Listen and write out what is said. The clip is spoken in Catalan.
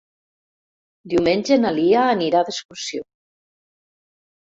Diumenge na Lia anirà d'excursió.